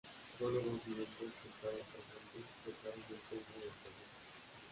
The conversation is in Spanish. Solo dos miembros que estaban presentes votaron en contra del proyecto.